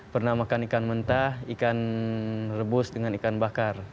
pernah makan ikan mentah ikan rebus dengan ikan bakar